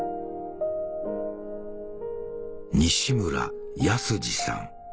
西村泰司さん